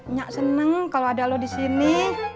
nyak seneng kalo ada lo disini